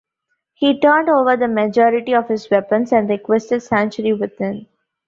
He turned over the majority of his weapons, and requested sanctuary within.